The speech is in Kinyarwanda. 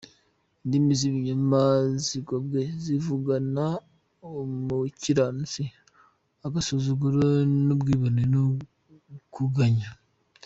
Indimi z’ibinyoma zigobwe, Zivugana umukiranutsi agasuzuguro, N’ubwibone no kugayana.